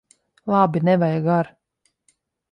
Labi! Nevajag ar'.